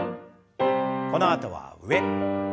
このあとは上。